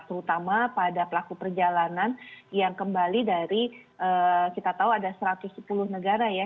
terutama pada pelaku perjalanan yang kembali dari kita tahu ada satu ratus sepuluh negara ya